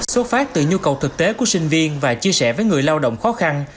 xuất phát từ nhu cầu thực tế của sinh viên và chia sẻ với người lao động khó khăn